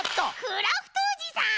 クラフトおじさん！